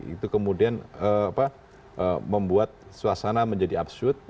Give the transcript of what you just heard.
itu kemudian membuat suasana menjadi absyud